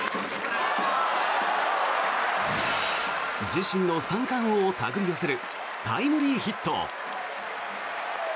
自身の三冠王を手繰り寄せるタイムリーヒット。